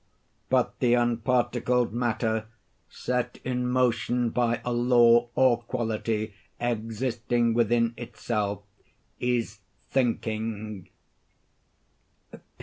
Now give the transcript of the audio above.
But the unparticled matter, set in motion by a law, or quality, existing within itself, is thinking.